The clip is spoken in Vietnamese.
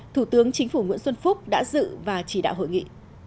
thủ tướng chính phủ nguyễn xuân phúc đã dự và chỉ đạo hội nghị